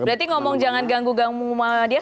berarti ngomong jangan ganggu ganggu muhammadiyah